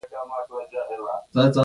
نوي لباسونه هم راکړل شول.